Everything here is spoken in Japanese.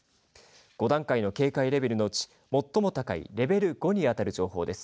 ５段階の警戒レベルのうち最も高いレベル５にあたる情報です。